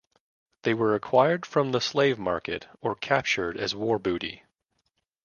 They were acquired from the slave market or captured as war booty.